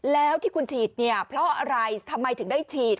แล้วที่คุณฉีดเนี่ยเพราะอะไรทำไมถึงได้ฉีด